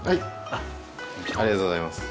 ありがとうございます。